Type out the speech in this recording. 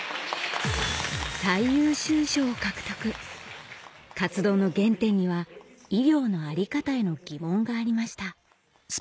最優秀賞を獲得活動の原点には医療の在り方への疑問がありました